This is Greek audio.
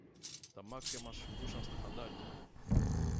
τ' αμάξια μας σπούσαν στα χαντάκια.